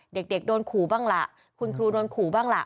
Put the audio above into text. เด็กโดนขู่บ้างล่ะคุณครูโดนขู่บ้างล่ะ